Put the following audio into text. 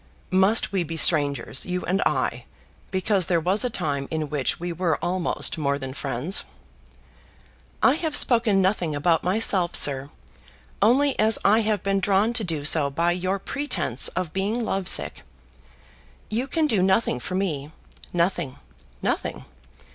"Must we be strangers, you and I, because there was a time in which we were almost more than friends?" "I have spoken nothing about myself, sir, only as I have been drawn to do so by your pretence of being love sick. You can do nothing for me, nothing, nothing.